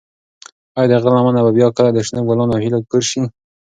ایا د غره لمنه به بیا کله د شنو ګلانو او هیلو کور شي؟